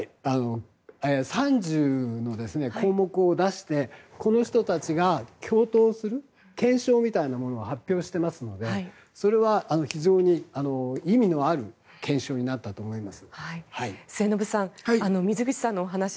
３０の項目を出してこの人たちが共闘する憲章するみたいなものを発表していますのでそれは非常に意味のある憲章になったと思います。